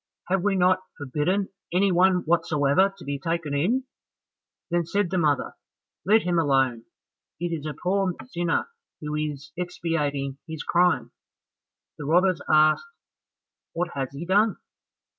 Have we not forbidden any one whatsoever to be taken in?" Then said the mother, "Let him alone, it is a poor sinner who is expiating his crime." The robbers asked, "What has he done?"